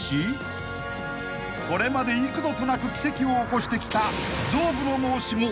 ［これまで幾度となく奇跡を起こしてきた］